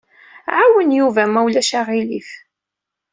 Ɛawen Yuba ma ulac aɣilif.